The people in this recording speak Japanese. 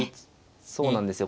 そうなんですよ